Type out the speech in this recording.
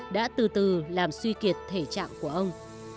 đã từ từ làm suy kiệt thể trạng của ông